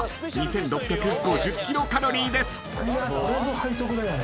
これぞ背徳だよね。